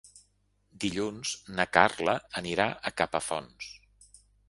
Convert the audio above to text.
Dilluns na Carla anirà a Capafonts.